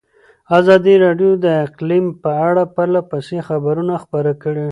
ازادي راډیو د اقلیم په اړه پرله پسې خبرونه خپاره کړي.